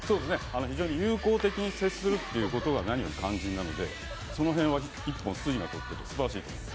非常に友好的に接するということが何より肝心なのでその辺は１本筋が通っててすばらしいです。